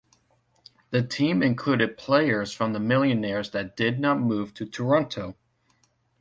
The team included players from the Millionaires that did not move to Toronto.